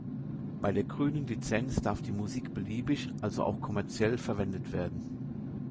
Bei der grünen Lizenz darf die Musik beliebig, also auch kommerziell, verwendet werden.